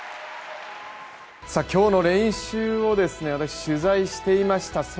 今日の練習を私、取材していました。